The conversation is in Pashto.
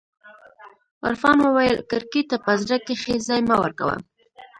عرفان وويل کرکې ته په زړه کښې ځاى مه ورکوه.